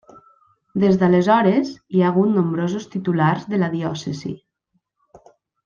Des d'aleshores hi ha hagut nombrosos titulars de la diòcesi.